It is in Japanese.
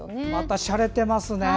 しゃれてますね。